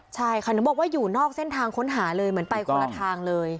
ใช่ค่ะหนูบอกว่าอยู่นอกเส้นทางค้นหาเลยเหมือนไปคนละทางเลย